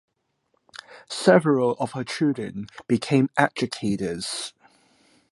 Several of her children became educators.